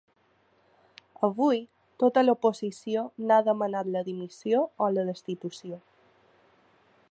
Avui tota l’oposició n’ha demanat la dimissió o la destitució.